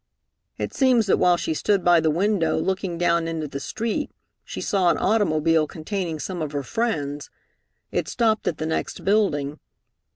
It seems that while she stood by the window, looking down into the street, she saw an automobile containing some of her friends. It stopped at the next building.